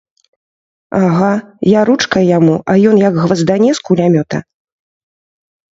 Ага, я ручкай яму, а ён як гваздане з кулямёта!